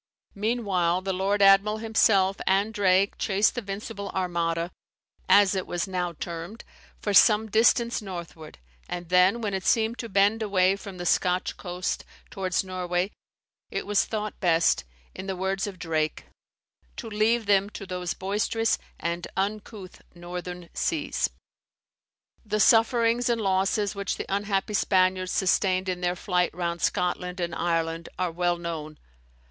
Meanwhile the lord admiral himself and Drake chased the vincible Armada, as it was now termed, for some distance northward; and then, when it seemed to bend away from the Scotch coast towards Norway, it was thought best, in the words of Drake, "to leave them to those boisterous and uncouth northern seas." The sufferings and losses which the unhappy Spaniards sustained in their flight round Scotland and Ireland, are well known.